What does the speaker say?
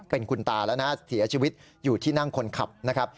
เป็นคุณตาแล้วนะเสียชีวิตอยู่ที่นั่งคนขับนะครับ